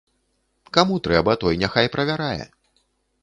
Каму трэба, той няхай правярае.